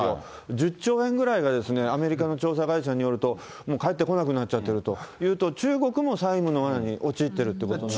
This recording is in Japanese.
１０兆円ぐらいが、アメリカの調査会社によると、もう返ってこなくなっちゃってるというと、中国も債務のわなに陥ってるということなんです。